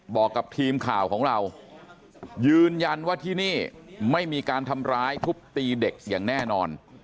บอกกับทีมข่าวของเรายืนยันว่าที่นี่ไม่มีการทำร้ายทุบตีเด็กอย่างแน่นอน